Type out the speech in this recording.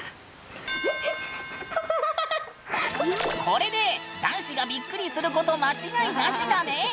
これで男子がびっくりすること間違いなしだね！